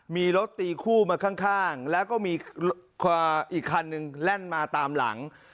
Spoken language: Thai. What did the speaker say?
มีรถตีคู่มาข้างแล้วก็มีอีกคันหนึ่งแล่นมาตามหลัง